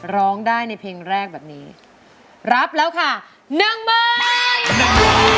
ร้องได้ในเพลงแรกแบบนี้รับแล้วค่ะนั่งมือ